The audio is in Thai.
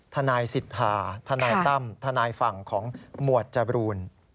ทนายสิทธาทนายตั้มทนายฝั่งของหมวดจบรูน